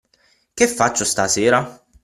che faccio stasera?